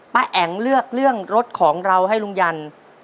แอ๋งเลือกเรื่องรถของเราให้ลุงยัน